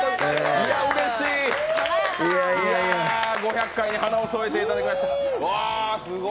うれしい、５００回に華を添えていただきました。